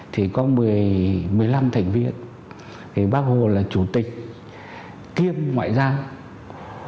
thì có một mươi năm thành viên thì bác hồ là chủ tịch kiêm ngoại giao